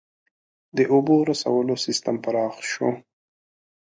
• د اوبو رسولو سیستم پراخ شو.